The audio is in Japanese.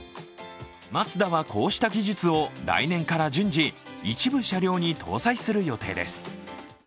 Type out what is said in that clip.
マツダはこうした技術を来年から順次、一部車両に搭載する予定です。